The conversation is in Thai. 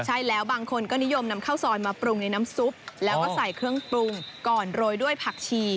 ใช่แล้วบางคนก็นิยมนำข้าวซอยมาปรุงในน้ำซุปแล้วก็ใส่เครื่องปรุงก่อนโรยด้วยผักชี